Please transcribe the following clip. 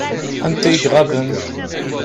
Anta i iɣaben?